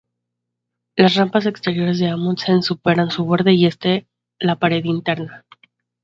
Las rampas exteriores de Amundsen superan su borde este y la pared interna.